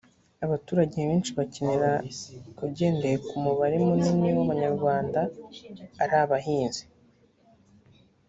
abaturage benshi bakenera ugendeye ko umubare munini w abanyarwanda ari abahinzi